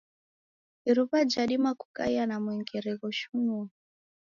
Iruwa jadima kukaia na mwengere ghoshunua.